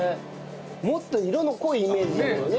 もっと色の濃いイメージだもんね